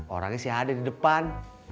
orangnya sih ada di depan